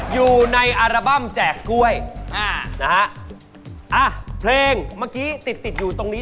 อยู่ในอัลบั้มแจกกล้วยอ่านะฮะอ่ะเพลงเมื่อกี้ติดติดอยู่ตรงนี้